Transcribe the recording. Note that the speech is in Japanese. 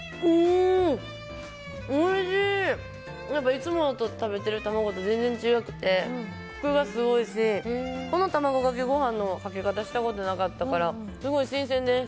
いつも食べている卵と全然違くて、コクがすごいしこの卵かけご飯のかけ方をしたことなかったからすごい新鮮です！